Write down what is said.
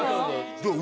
どう？